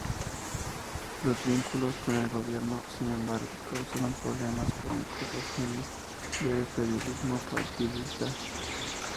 Los vínculos con el gobierno, sin embargo, causaron problemas, con acusaciones de periodismo partidista.